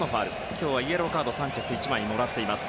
今日はイエローカードサンチェス１枚もらっています。